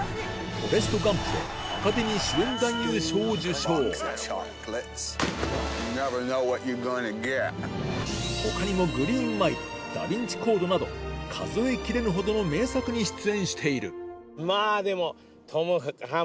『フォレスト・ガンプ』でアカデミー主演男優賞を受賞他にも『グリーンマイル』『ダ・ヴィンチ・コード』など数え切れぬほどの名作に出演しているまぁでも。